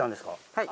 はい。